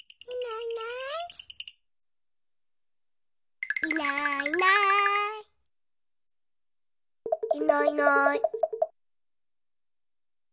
いないいない。